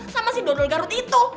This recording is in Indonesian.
sama si dodol garut itu